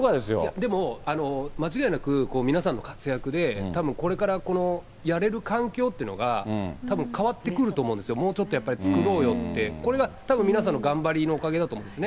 でも、間違いなく、皆さんの活躍で、たぶんこれから、やれる環境というのが、たぶん、変わってくると思うんですよ、もうちょっとやっぱり作ろうよって、これがたぶん皆さんの頑張りのおかげだと思うんですね。